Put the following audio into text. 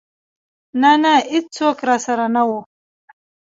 نه نه ايڅوک راسره نه و.